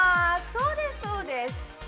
そうです、そうです。